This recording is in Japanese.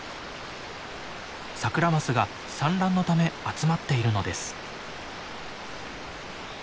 サクラマスが産卵のため集まっているのです。